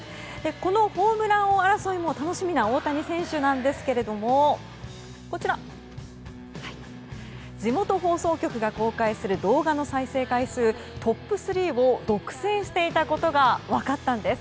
ホームラン王争いも楽しみな大谷選手なんですがこちら、地元放送局が公開する動画の再生回数トップ３を独占していたことが分かったんです。